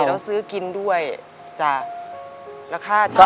ใช่แล้วซื้อกินด้วยแล้วค่าเช่าเขาอีกค่า